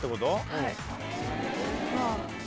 はい。